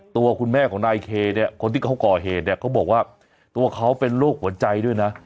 ตัวคุณแม่ของนายเคเนี่ยคนที่เขาก่อเหตุเนี่ยเขาบอกว่าตัวเขาเป็นโรคหัวใจด้วยนะ